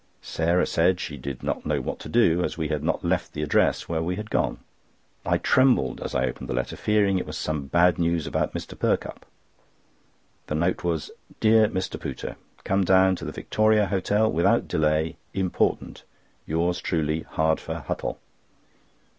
Sarah said she did not know what to do, as we had not left the address where we had gone. I trembled as I opened the letter, fearing it was some bad news about Mr. Perkupp. The note was: "Dear Mr. Pooter,—Come down to the Victoria Hotel without delay. Important. Yours truly, Hardfur Huttle."